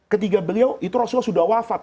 ketiga beliau itu rasulullah sudah wafat